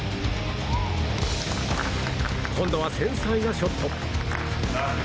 今度は繊細なショット。